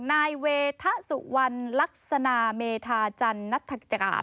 นายเวทะสุวรรณลักษณะเมธาจันนัฐกาศ